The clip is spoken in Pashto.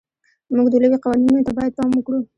موږ د لوبې قوانینو ته باید پام وکړو.